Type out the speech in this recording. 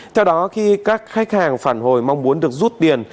theo đó khi các khách hàng phản hồi mong muốn được rút tiền